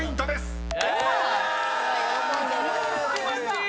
気持ちいい！